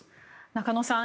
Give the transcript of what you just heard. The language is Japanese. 中野さん